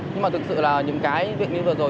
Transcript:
nhưng mà thực sự là những cái việc như vừa rồi